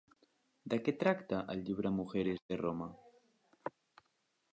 De què tracta el llibre Mujeres de Roma.